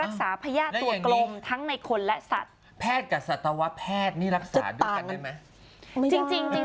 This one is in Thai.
รักษาพยาติตัวโกรธทั้งในคนและสัตว์แพทย์กับสัตวแพทย์นี่ลักษณ์ต่างเดี๋ยว